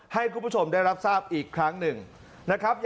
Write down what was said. ให้คุณผู้ชมได้รับทราบอีกครั้งหนึ่งนะครับ